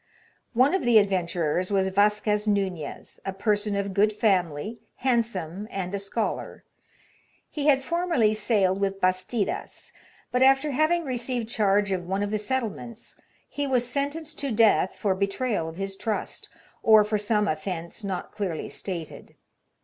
One of the adventurers was Vasquez Nunez, a person of good family, hand some, and a scholar. He had formerly sailed with Bastidas ; but, after having received charge of one of the settlements, he was sentenced to death for betrayal of his trust, or for some offence not clearly stated.